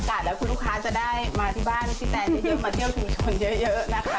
แล้วคุณลูกค้าจะได้มาที่บ้านพี่แตนเยอะมาเที่ยวชุมชนเยอะนะคะ